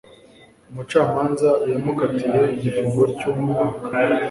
Umucamanza yamukatiye igifungo cy’umwaka.